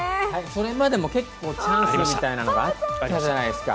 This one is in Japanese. それまでも結構チャンスみたいのがあったじゃないですか。